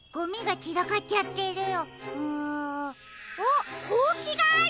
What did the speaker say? あっほうきがある！